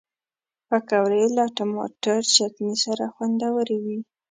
پکورې له ټماټر چټني سره خوندورې وي